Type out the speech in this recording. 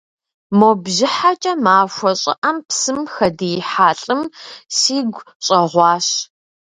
Мо бжьыхьэкӏэ махуэ щӏыӏэм псым хэдиихьа лӏым сигу щӏэгъуащ.